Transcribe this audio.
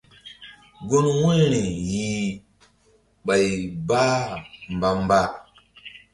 Gun wu̧yri yih bay bah mba mba.